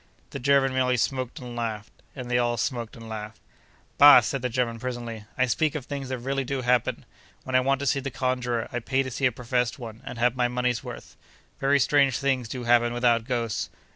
The German merely smoked and laughed; and they all smoked and laughed. 'Bah!' said the German, presently. 'I speak of things that really do happen. When I want to see the conjurer, I pay to see a professed one, and have my money's worth. Very strange things do happen without ghosts.